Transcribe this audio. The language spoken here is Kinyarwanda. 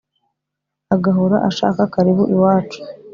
agahora ashaka karibu iwacu